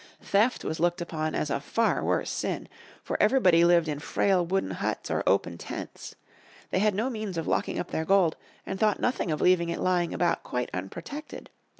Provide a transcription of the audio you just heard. Theft was looked upon as a far worse sin. For everybody lived in frail wooden juts or open tents. They had no means of locking up their gold, and thought nothing of leaving it lying about quite unprotected.